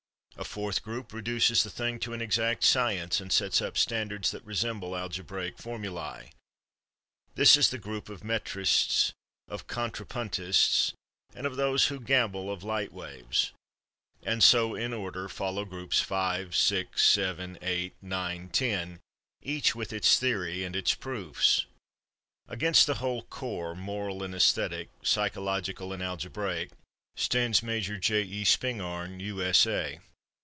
A fourth group reduces the thing to an exact science, and sets up standards that resemble algebraic formulæ—this is the group of metrists, of contrapuntists and of those who gabble of light waves. And so, in order, follow groups five, six, seven, eight, nine, ten, each with its theory and its proofs. Against the whole corps, moral and æsthetic, psychological and algebraic, stands Major J. E. Spingarn, U. S. A.